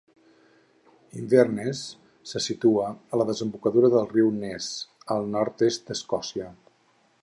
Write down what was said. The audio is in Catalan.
Inverness se situa a la desembocadura del riu Ness, al nord-est d’Escòcia.